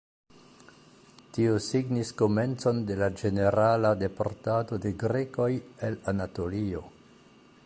Tio signis komencon de la ĝenerala deportado de grekoj el Anatolio.